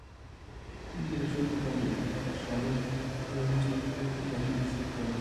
د پېښور په کاکشالو کې به يې موږ ته خپلې جالبې کيسې کولې.